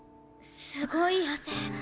すごい汗。